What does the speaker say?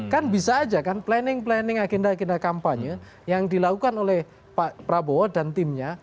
kan bisa aja kan planning planning agenda agenda kampanye yang dilakukan oleh pak prabowo dan timnya